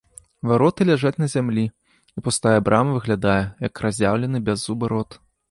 Вароты ляжаць на зямлі, і пустая брама выглядае, як разяўлены бяззубы рот.